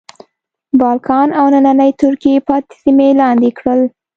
بالکان او نننۍ ترکیې پاتې سیمې لاندې کړې.